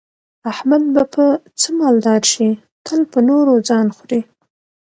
احمد به په څه مالدار شي، تل په نورو ځان خوري.